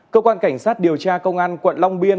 cơ quan cảnh sát điều tra công an quận long biên